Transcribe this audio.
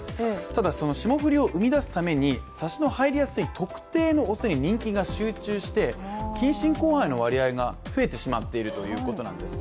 ただ霜降りを生み出すためにサシの入りやすい特定のオスに人気が集中して近親交配の割合が増えてしまっているということなんです。